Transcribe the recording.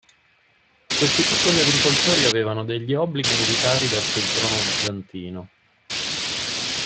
Questi piccoli agricoltori avevano degli obblighi militari verso il trono bizantino.